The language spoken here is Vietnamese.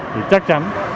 thì chắc chắn